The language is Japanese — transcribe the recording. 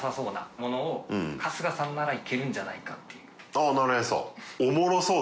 あぁなるへそ。